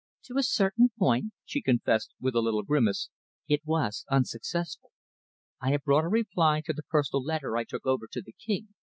"To a certain point," she confessed, with a little grimace, "it was unsuccessful. I have brought a reply to the personal letter I took over to the King.